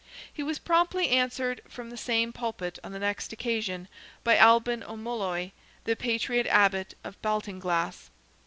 He was promptly answered from the same pulpit on the next occasion by Albin O'Mulloy, the patriot Abbot of Baltinglass.